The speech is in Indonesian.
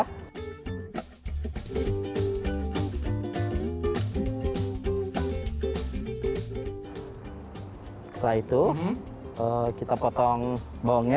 setelah itu kita potong bawangnya